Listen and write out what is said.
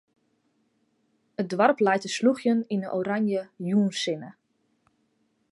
It doarp leit te slûgjen yn 'e oranje jûnssinne.